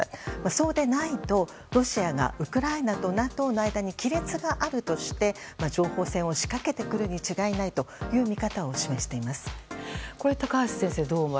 そうでないと、ロシアがウクライナとＮＡＴＯの間に亀裂があるとして情報戦を仕掛けてくるに違いないという見方を示しています。